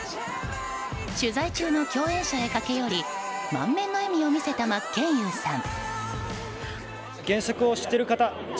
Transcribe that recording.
取材中の共演者へ駆け寄り満面の笑みを見せた真剣佑さん。